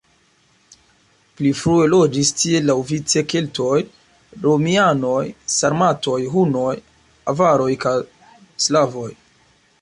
Pli frue loĝis tie laŭvice keltoj, romianoj, sarmatoj, hunoj, avaroj kaj slavoj.